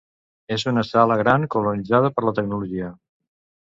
És una sala gran colonitzada per la tecnologia.